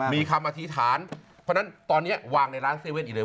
มีคำอธิษฐานเพราะฉะนั้นตอนนี้วางในร้าน๗๑๑อีกเลย